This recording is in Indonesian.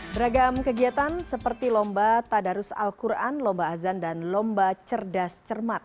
beragam kegiatan seperti lomba tadarus al quran lomba azan dan lomba cerdas cermat